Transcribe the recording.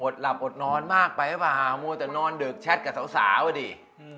อดหลับอดนอนมากไปป่าวมัวแต่นอนเดิกแชทกับสาวอะดิ